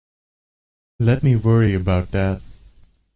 Let me worry about that.